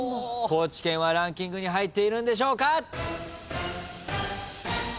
高知県はランキングに入っているんでしょうか？